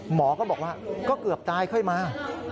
หมอก็บอกว่าก็เกือบตายค่อยมา